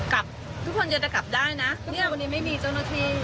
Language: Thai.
กลับทุกคนจะกลับได้นะเนี่ยวันนี้ไม่มีเจ้าหน้าที่